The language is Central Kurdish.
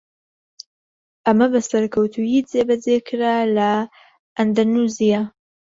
ئەمە بە سەرکەوتوویی جێبەجێکرا لە ئەندەنوسیا.